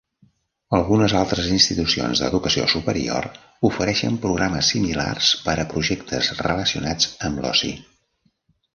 Algunes altres institucions d'educació superior ofereixen programes similars per a projectes relacionats amb l'oci.